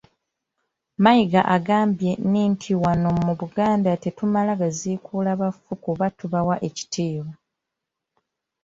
Mayiga agambye niti wano mu Buganda tetumala gaziikula bafu kuba tubawa ekitiibwa.